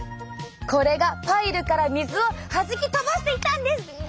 これがパイルから水をはじき飛ばしていたんです！